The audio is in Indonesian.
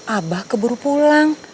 abah keburu pulang